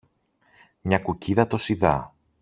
μια κουκκίδα τόση δα